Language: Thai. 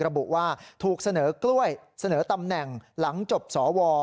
ระบุว่าถูกเสนอกล้วยเสนอตำแหน่งหลังจบสว